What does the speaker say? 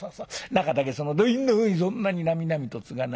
中だけその土瓶の上にそんなになみなみとつがない。